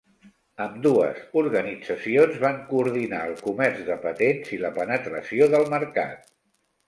Ambdues organitzacions van coordinar el comerç de patents i la penetració del mercat.